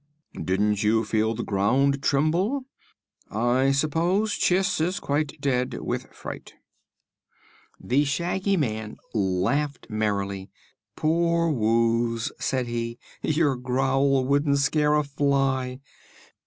Didn't you feel the ground tremble? I suppose Chiss is now quite dead with fright." The Shaggy Man laughed merrily. "Poor Wooz!" said he; "your growl wouldn't scare a fly."